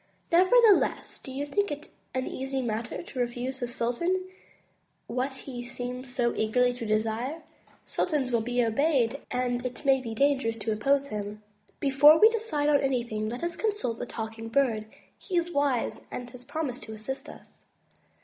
Nevertheless, do you think it an easy matter to refuse the sultan what he seems so eagerly to desire? Sultans will be obeyed and it may be dangerous to oppose him. Before we decide on anything, let us consult the Talking Bird. He is wise and has promised to assist us.'